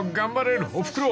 ［おふくろ